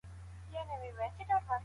هغوی په استراحت کولو بوخت دي.